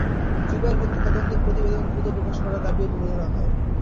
জুবায়ের হত্যার তদন্ত প্রতিবেদন দ্রুত প্রকাশ করার দাবিও তুলে ধরা হয়।